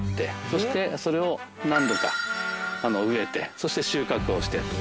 そしてそれを何度か植えてそして収穫をしてと。